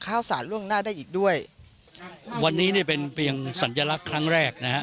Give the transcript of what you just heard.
ข้าวสารล่วงหน้าได้อีกด้วยวันนี้เนี่ยเป็นเพียงสัญลักษณ์ครั้งแรกนะฮะ